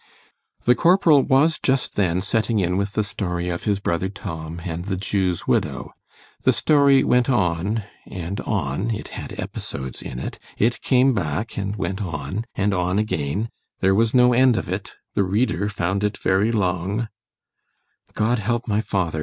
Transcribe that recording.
The corporal was just then setting in with the story of his brother Tom and the Jew's widow: the story went on—and on——it had episodes in it——it came back, and went on——and on again; there was no end of it——the reader found it very long—— ——G— help my father!